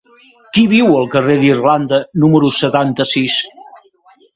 Qui viu al carrer d'Irlanda número setanta-sis?